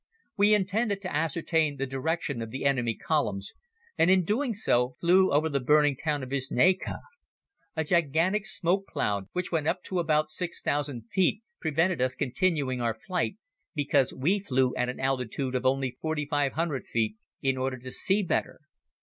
We intended to ascertain the direction of the enemy columns, and in doing so flew over the burning town of Wicznice. A gigantic smoke cloud, which went up to about 6,000 feet, prevented us continuing our flight because we flew at an altitude of only 4,500 feet in order to see better.